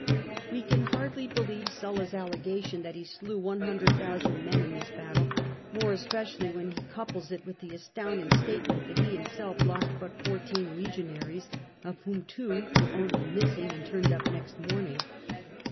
We can hardly believe Sulla's allegation that he slew 100,000 men in this battle, more especially when he couples it with the astounding statement that he himself lost but fourteen legionaries, of whom two were only '' missing" and turned up next morning.